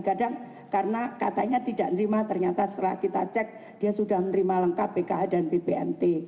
kadang karena katanya tidak nerima ternyata setelah kita cek dia sudah menerima lengkap pkh dan bpnt